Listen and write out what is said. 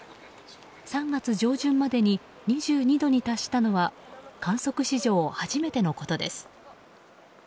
３月上旬までに２２度に達したのは観測史上、初めてのことです。